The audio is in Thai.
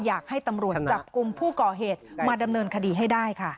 อยากให้ตำรวจจับกลุ่มผู้ก่อเหตุมาดำเนินคดีให้ได้ค่ะ